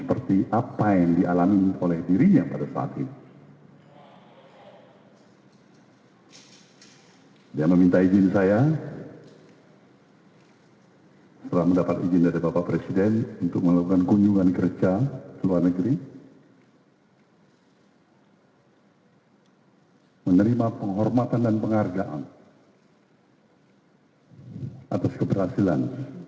pemikirca seluar negeri menerima penghormatan dan penghargaan atas keberhasilan